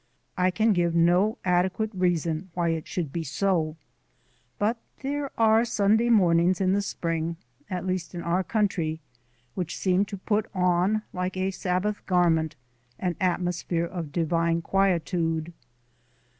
I can give no adequate reason why it should be so, but there are Sunday mornings in the spring at least in our country which seem to put on, like a Sabbath garment, an atmosphere of divine quietude.